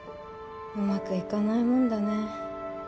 うまくいかないもんだね